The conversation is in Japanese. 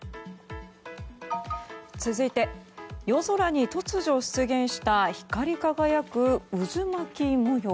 続いて夜空に突如出現した光り輝く渦巻き模様。